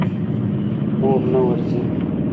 خو خوب نه ورځي.